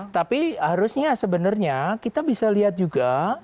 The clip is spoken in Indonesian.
tapi harusnya sebenarnya kita bisa lihat juga